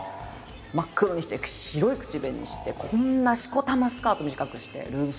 真っ黒にして白い口紅してこんなしこたまスカート短くしてルーズソックスはくっていう。